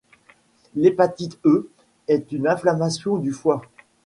L'hépatite E est une inflammation du foie.